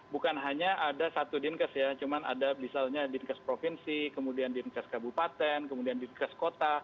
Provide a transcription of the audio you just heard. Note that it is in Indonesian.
bukan hanya ada satu dinkes ya cuma ada misalnya dinkes provinsi kemudian dinkes kabupaten kemudian dinkes kota